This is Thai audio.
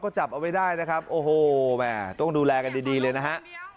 ก็จับเอาไว้ได้นะครับโอ้โหแม่ต้องดูแลกันดีเลยนะฮะ